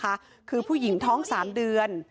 คือคือผู้หญิงท้องสามเดือน